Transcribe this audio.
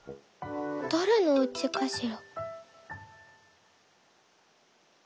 だれのおうちかしら？」。